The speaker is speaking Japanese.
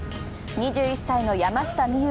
２１歳の山下美夢